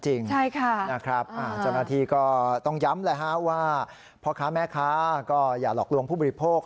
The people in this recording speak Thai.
เจ้าหน้าที่ก็ต้องย้ำว่าพ่อค้าแม่ค้าก็อย่าหลอกลวงผู้บริโภค